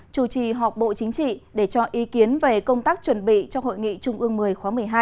chủ trì họp bộ chính trị để cho ý kiến về công tác chuẩn bị cho hội nghị trung ương một mươi khóa một mươi hai